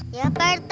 iya pak rt